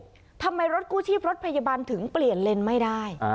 ทำไมรถกู้ชีพรถพยาบาลถึงเปลี่ยนเลนส์ไม่ได้